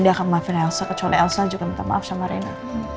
dia akan maafin elsa kecuali elsa juga minta maaf sama reina